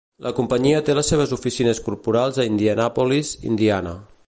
La companyia té les seves oficines corporals a Indianapolis, Indiana.